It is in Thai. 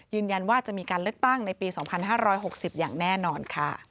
ยืนยันว่าจะมีการเลือกตั้งในปี๒๕๖๐อย่างแน่นอนค่ะ